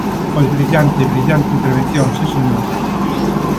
Pois brillante, brillante intervención, si señor.